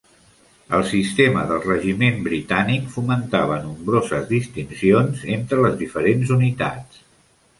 El sistema del regiment britànic fomentava nombroses distincions entre les diferents unitats.